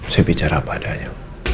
saya bicara apa adanya